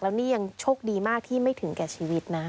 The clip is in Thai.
แล้วนี่ยังโชคดีมากที่ไม่ถึงแก่ชีวิตนะ